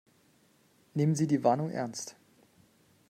Nehmen Sie die Warnung ernst.